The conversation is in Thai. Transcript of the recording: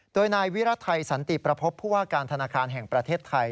โดยนายวิรัติไทยสันติประพบผู้ว่าการธนาคารแห่งประเทศไทย